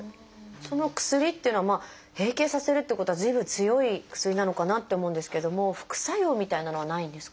その薬っていうのは閉経させるっていうことは随分強い薬なのかなって思うんですけれども副作用みたいなのはないんですか？